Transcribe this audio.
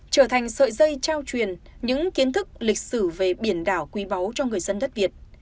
trở thành sợi dây trao truyền những kiến thức lịch sử về biển đảo quý báu cho người dân đất việt